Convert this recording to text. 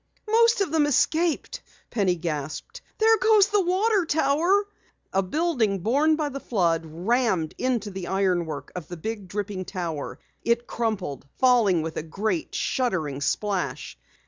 "Most of them escaped," Penny gasped. "There goes the water tower!" A building borne by the flood, rammed into the ironwork of the big dripping tower. It crumpled, falling with a great, shuddering splash.